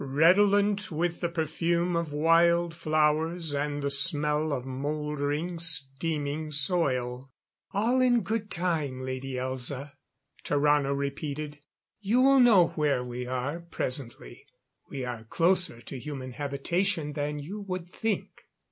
Redolent with the perfume of wild flowers and the smell of mouldering, steaming soil. "All in good time. Lady Elza," Tarrano repeated. "You will know where we are presently; we are closer to human habitation than you would think."